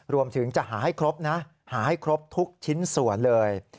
รวมถึงจะหาให้ครบนะหาให้ครบทุกชิ้นส่วนเลย